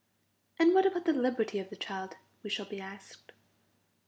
And what about the liberty of the child, we shall be asked?